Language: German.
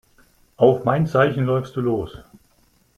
Auf mein Zeichen läufst du los.